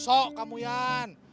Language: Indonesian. sok kamu yang